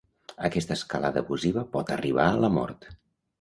Aquesta escalada abusiva pot arribar a la mort.